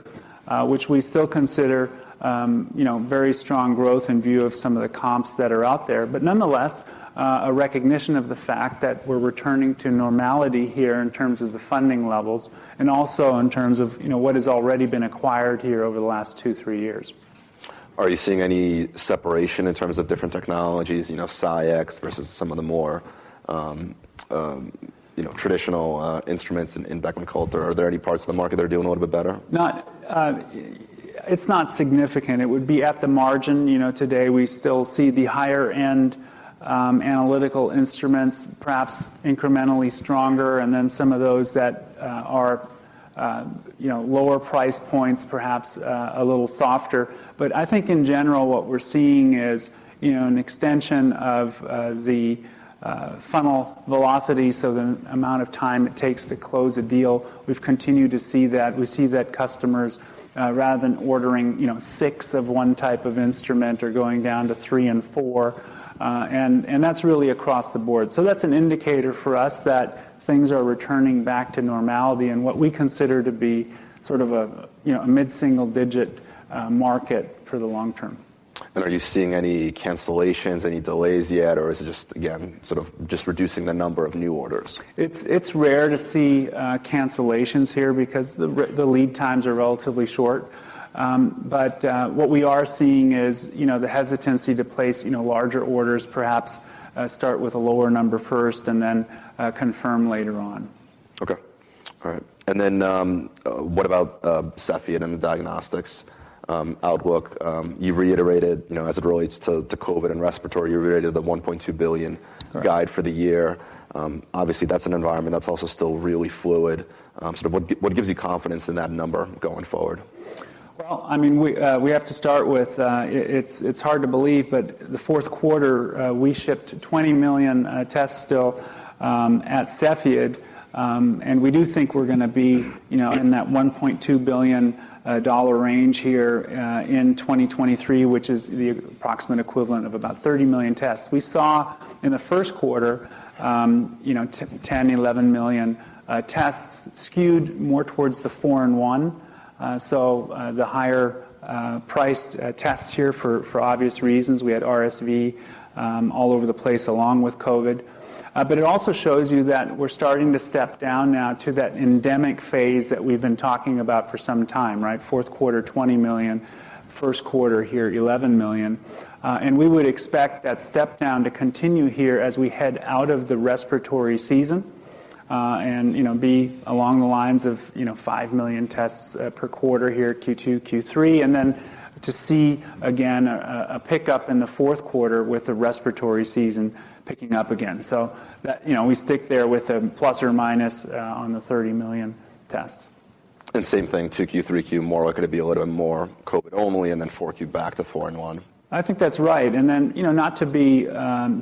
which we still consider, you know, very strong growth in view of some of the comps that are out there. Nonetheless, a recognition of the fact that we're returning to normality here in terms of the funding levels and also in terms of, you know, what has already been acquired here over the last 2, 3 years. Are you seeing any separation in terms of different technologies? You know, SCIEX versus some of the more, you know, traditional, instruments in Beckman Coulter. Are there any parts of the market that are doing a little bit better? Not, it's not significant. It would be at the margin. You know, today, we still see the higher-end analytical instruments perhaps incrementally stronger, and then some of those that are, you know, lower price points perhaps a little softer. I think in general, what we're seeing is, you know, an extension of the funnel velocity, so the amount of time it takes to close a deal. We've continued to see that. We see that customers, rather than ordering, you know, six of one type of instrument are going down to three and four. And that's really across the board. That's an indicator for us that things are returning back to normality in what we consider to be sort of a, you know, a mid-single digit market for the long term. Are you seeing any cancellations, any delays yet, or is it just, again, sort of just reducing the number of new orders? It's rare to see cancellations here because the lead times are relatively short. What we are seeing is, you know, the hesitancy to place, you know, larger orders, perhaps, start with a lower number first and then confirm later on. Okay. All right. What about Cepheid and the diagnostics outlook? You reiterated, you know, as it relates to COVID and respiratory, you reiterated the $1.2 billion- Right... guide for the year. Obviously, that's an environment that's also still really fluid, sort of what gives you confidence in that number going forward? Well, I mean, we have to start with it's hard to believe, but the Q4, we shipped 20 million tests still at Cepheid, and we do think we're gonna be, you know, in that $1.2 billion range here in 2023, which is the approximate equivalent of about 30 million tests. We saw in the Q1, you know, 10, 11 million tests skewed more towards the four in one, so the higher priced tests here for obvious reasons. We had RSV all over the place along with COVID. It also shows you that we're starting to step down now to that endemic phase that we've been talking about for some time, right? Q4, 20 million. Q1 here, 11 million. We would expect that step down to continue here as we head out of the respiratory season, and, you know, be along the lines of, you know, 5 million tests per quarter here, Q2, Q3, and then to see again a pick up in the Q4 with the respiratory season picking up again. That, you know, we stick there with a ± on the 30 million tests. Same thing, 2Q, 3Q, more likely to be a little more COVID only, and then 4Q back to four in one. I think that's right. Then, you know, not to be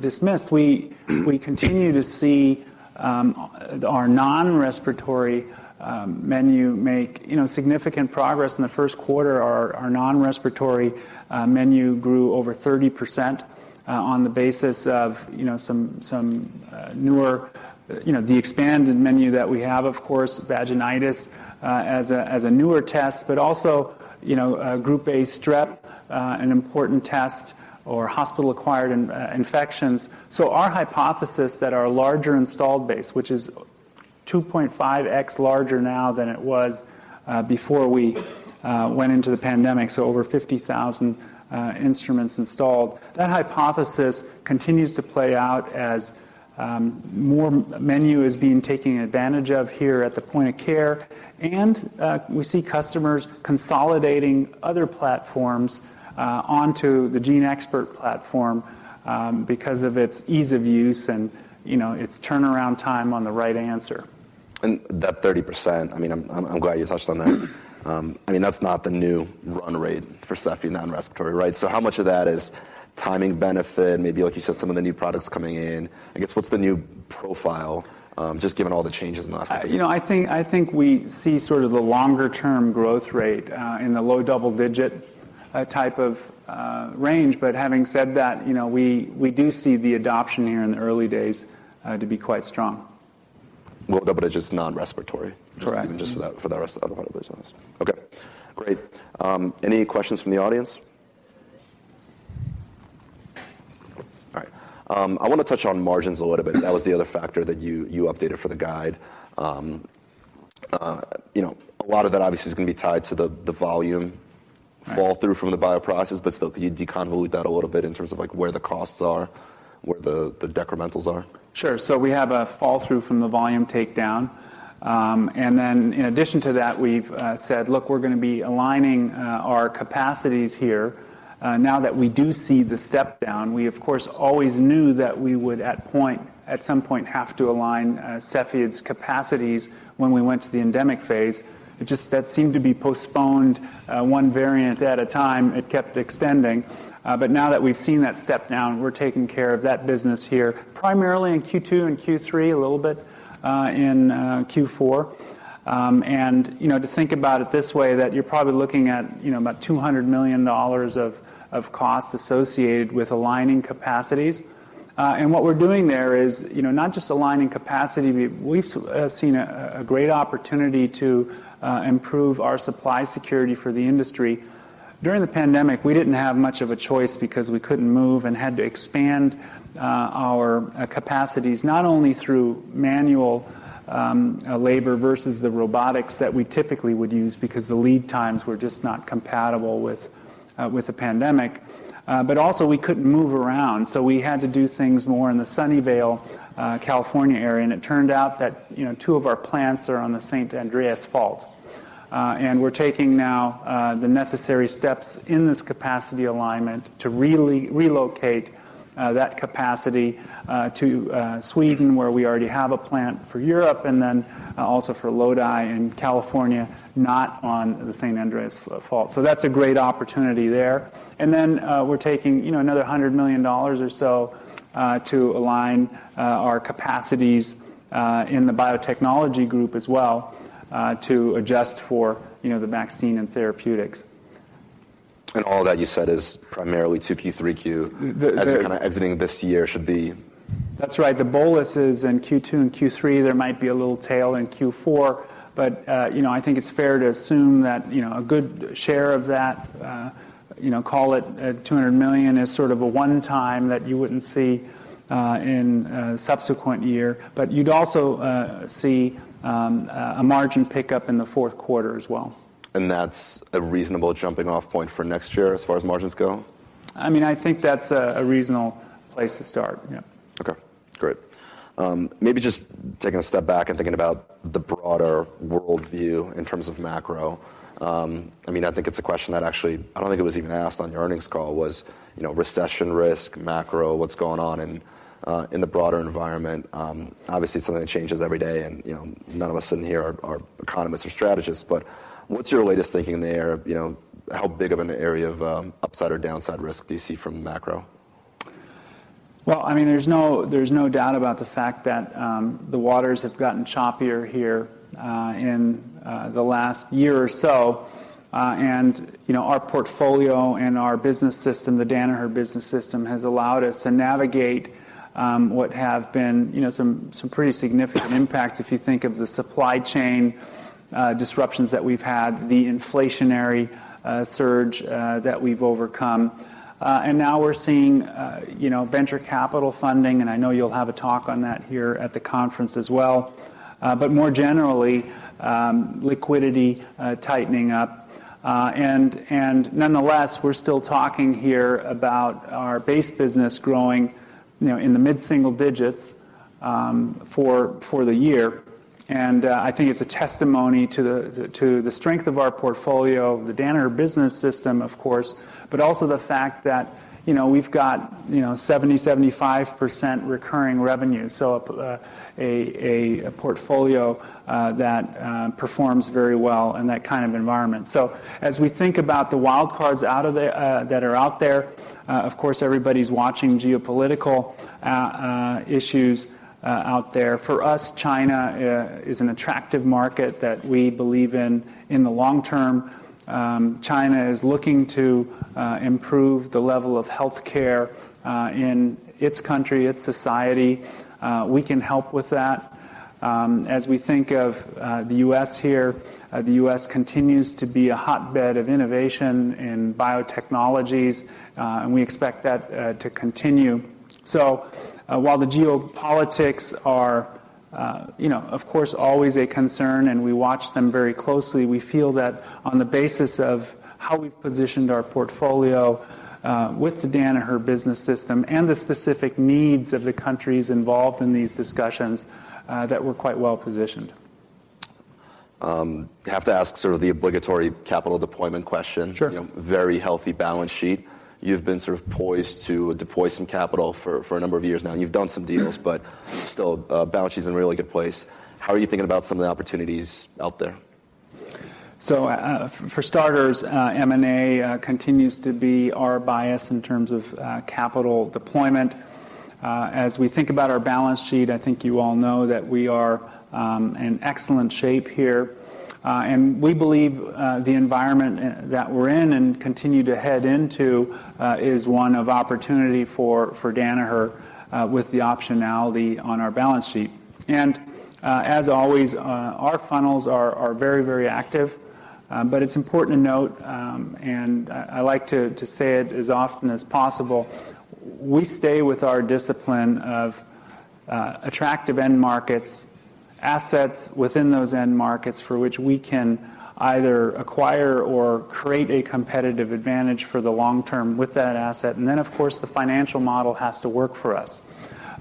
dismissed, we continue to see our non-respiratory menu make, you know, significant progress in the Q1. Our non-respiratory menu grew over 30%, on the basis of, you know, some newer, you know, the expanded menu that we have, of course, vaginitis, as a, as a newer test, but also, you know, group A strep, an important test or hospital-acquired infections. Our hypothesis that our larger installed base, which is 2.5x larger now than it was before we went into the pandemic, over 50,000 instruments installed, that hypothesis continues to play out as more menu is being taken advantage of here at the point of care, and we see customers consolidating other platforms onto the GeneXpert platform because of its ease of use and, you know, its turnaround time on the right answer. That 30%, I mean, I'm glad you touched on that. I mean, that's not the new run rate for Cepheid non-respiratory, right? How much of that is timing benefit and maybe, like you said, some of the new products coming in? I guess what's the new profile, just given all the changes in the last couple of years? I, you know, I think we see sort of the longer term growth rate in the low double-digit type of range. Having said that, you know, we do see the adoption here in the early days to be quite strong. Low double digits non-respiratory. Correct. Just even just for that, for the rest of the other part of the business. Okay, great. Any questions from the audience? All right. I wanna touch on margins a little bit. That was the other factor that you updated for the guide. You know, a lot of that obviously is gonna be tied to the volume- Right... fall through from the bioprocess, but still, can you deconvolute that a little bit in terms of like where the costs are, where the decrementals are? Sure. We have a fall through from the volume takedown. In addition to that, we've said, look, we're gonna be aligning our capacities here. Now that we do see the step-down, we of course always knew that we would at some point have to align Cepheid's capacities when we went to the endemic phase. It just, that seemed to be postponed, one variant at a time. It kept extending. Now that we've seen that step down, we're taking care of that business here, primarily in Q2 and Q3, a little bit in Q4. You know, to think about it this way, that you're probably looking at, you know, about $200 million of costs associated with aligning capacities. What we're doing there is, you know, not just aligning capacity, we've seen a great opportunity to improve our supply security for the industry. During the pandemic, we didn't have much of a choice because we couldn't move and had to expand our capacities, not only through manual labor versus the robotics that we typically would use because the lead times were just not compatible with the pandemic. Also we couldn't move around, so we had to do things more in the Sunnyvale, California area, and it turned out that, you know, two of our plants are on the San Andreas Fault. We're taking now the necessary steps in this capacity alignment to really relocate that capacity to Sweden, where we already have a plant for Europe, and then also for Lodi in California, not on the San Andreas Fault. That's a great opportunity there. We're taking, you know, another $100 million or so, to align our capacities in the biotechnology group as well, to adjust for, you know, the vaccine and therapeutics. all that you said is primarily 2Q, 3Q... The, the, the- As we're kinda exiting this year should be. That's right. The bolus is in Q2 and Q3. There might be a little tail in Q4, but, you know, I think it's fair to assume that, you know, a good share of that, you know, call it, $200 million is sort of a one time that you wouldn't see, in a subsequent year. You'd also, see, a margin pickup in the Q4 as well. That's a reasonable jumping off point for next year as far as margins go? I mean, I think that's a reasonable place to start. Yeah. Okay. Great. Maybe just taking a step back and thinking about the broader worldview in terms of macro. I mean, I think it's a question that actually I don't think it was even asked on your earnings call was, you know, recession risk, macro, what's going on in the broader environment? Obviously, it's something that changes every day and, you know, none of us sitting here are economists or strategists, but what's your latest thinking in the area? You know, how big of an area of upside or downside risk do you see from macro? Well, I mean, there's no doubt about the fact that the waters have gotten choppier here in the last year or so. You know, our portfolio and our business system, the Danaher Business System, has allowed us to navigate what have been, you know, some pretty significant impacts if you think of the supply chain disruptions that we've had, the inflationary surge that we've overcome. Now we're seeing, you know, venture capital funding, and I know you'll have a talk on that here at the conference as well. More generally, liquidity tightening up. Nonetheless, we're still talking here about our base business growing, you know, in the mid-single digits for the year. I think it's a testimony to the strength of our portfolio, the Danaher Business System, of course, but also the fact that, you know, we've got, you know, 70-75% recurring revenue, so a portfolio that performs very well in that kind of environment. As we think about the wild cards out of the that are out there, of course, everybody's watching geopolitical issues out there. For us, China is an attractive market that we believe in. In the long term, China is looking to improve the level of healthcare in its country, its society. We can help with that. As we think of the U.S. here, the U.S. continues to be a hotbed of innovation in biotechnologies, and we expect that to continue. While the geopolitics are, you know, of course, always a concern and we watch them very closely, we feel that on the basis of how we've positioned our portfolio, with the Danaher Business System and the specific needs of the countries involved in these discussions, that we're quite well positioned. Have to ask sort of the obligatory capital deployment question. Sure. You know, very healthy balance sheet. You've been sort of poised to deploy some capital for a number of years now, and you've done some deals, but still, balance sheet's in a really good place. How are you thinking about some of the opportunities out there? For starters, M&A continues to be our bias in terms of capital deployment. As we think about our balance sheet, I think you all know that we are in excellent shape here. We believe the environment that we're in and continue to head into is one of opportunity for Danaher with the optionality on our balance sheet. As always, our funnels are very, very active. It's important to note, and I like to say it as often as possible, we stay with our discipline of attractive end markets, assets within those end markets for which we can either acquire or create a competitive advantage for the long term with that asset. Of course, the financial model has to work for us.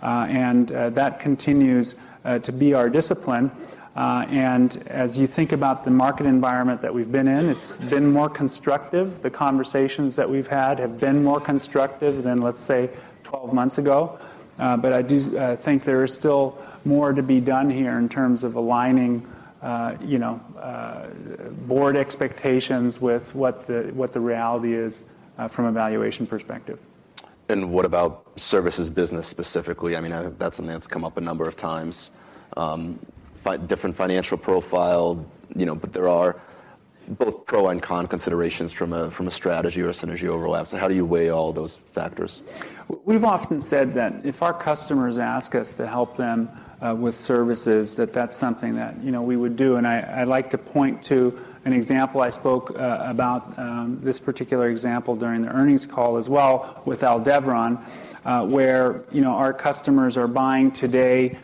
That continues to be our discipline. As you think about the market environment that we've been in, it's been more constructive. The conversations that we've had have been more constructive than, let's say, 12 months ago. I do think there is still more to be done here in terms of aligning, you know, board expectations with what the, what the reality is, from a valuation perspective. What about services business specifically? I mean, I know that's something that's come up a number of times. different financial profile, you know, but there are both pro and con considerations from a, from a strategy or synergy overlap. How do you weigh all those factors? We've often said that if our customers ask us to help them with services, that's something that, you know, we would do. I like to point to an example I spoke about this particular example during the earnings call as well with Aldevron, where, you know, our customers are buying today,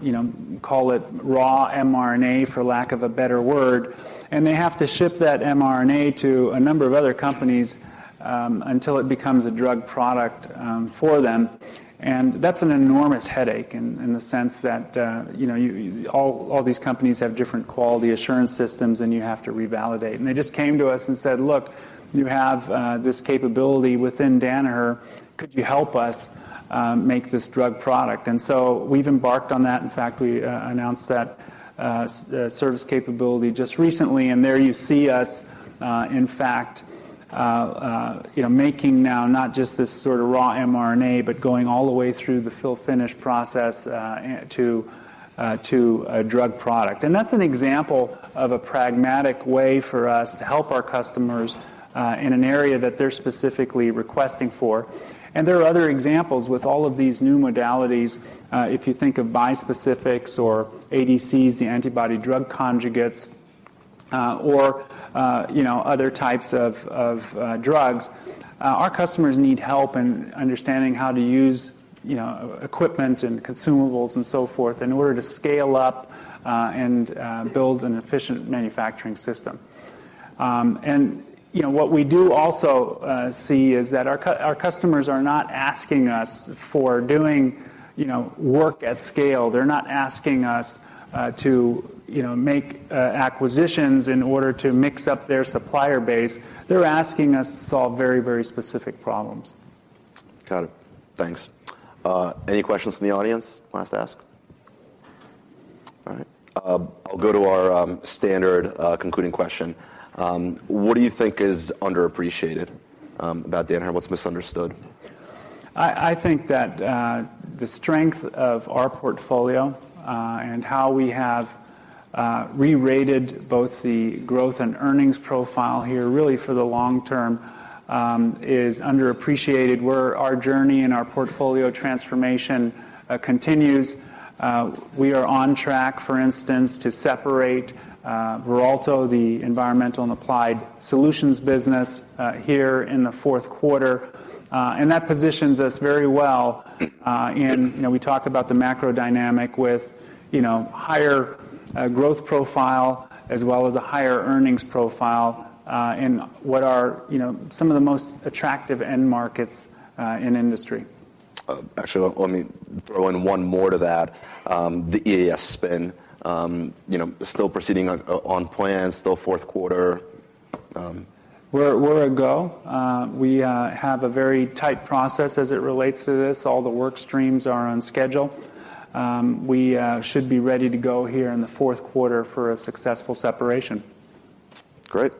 you know, call it raw mRNA for lack of a better word, and they have to ship that mRNA to a number of other companies until it becomes a drug product for them. That's an enormous headache in the sense that, you know, all these companies have different quality assurance systems, and you have to revalidate. They just came to us and said, "Look, you have this capability within Danaher. Could you help us make this drug product?" We've embarked on that. In fact, we announced that service capability just recently, and there you see us, in fact, you know, making now not just this sort of raw mRNA, but going all the way through the fill-finish process to a drug product. That's an example of a pragmatic way for us to help our customers in an area that they're specifically requesting for. There are other examples with all of these new modalities. If you think of bispecifics or ADCs, the antibody-drug conjugates, or, you know, other types of drugs, our customers need help in understanding how to use, you know, equipment and consumables and so forth in order to scale up and build an efficient manufacturing system. You know, what we do also see is that our customers are not asking us for doing, you know, work at scale. They're not asking us to, you know, make acquisitions in order to mix up their supplier base. They're asking us to solve very, very specific problems. Got it. Thanks. Any questions from the audience you want us to ask? All right. I'll go to our standard concluding question. What do you think is underappreciated about Danaher? What's misunderstood? I think that the strength of our portfolio, and how we have re-rated both the growth and earnings profile here really for the long term, is underappreciated, where our journey and our portfolio transformation continues. We are on track, for instance, to separate Veralto, the environmental and applied solutions business here in the Q4. That positions us very well, in... You know, we talk about the macro dynamic with, you know, higher growth profile as well as a higher earnings profile, in what are, you know, some of the most attractive end markets in industry. actually, let me throw in one more to that. The EAS spin, you know, still proceeding on plan, still Q4. We're a go. We have a very tight process as it relates to this. All the work streams are on schedule. We should be ready to go here in the Q4 for a successful separation. Great.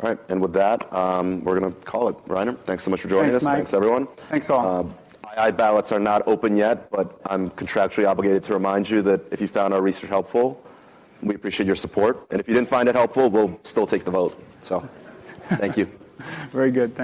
All right. With that, we're going to call it. Rainer, thanks so much for joining us. Thanks, Mike. Thanks, everyone. Thanks, all. II ballots are not open yet. I'm contractually obligated to remind you that if you found our research helpful, we appreciate your support. If you didn't find it helpful, we'll still take the vote. Thank you. Very good. Thanks.